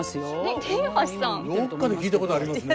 どっかで聞いたことありますね。